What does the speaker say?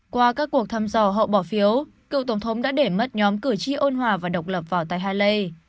qua các cuộc thăm dò hậu bỏ phiếu cựu tổng thống đã để mất nhóm cử tri ôn hòa và độc lập vào tại haley